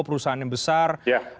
perusahaan yang besar